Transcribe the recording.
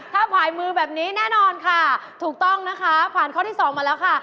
ถ้าผ่ายมือแบบนี้แน่นอนค่ะถูกต้องนะคะผ่านข้อที่สองมาแล้วค่ะ